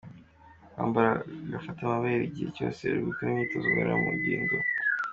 Kwambara agafata-mabere igihe cyose uri gukora imyitozo ngororangingo.